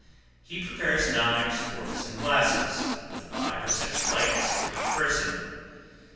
He prepares knives, forks, and glasses, with five or six plates for each person.